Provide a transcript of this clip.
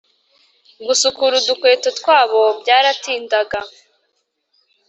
gusukura udukweto twabo byaratindaga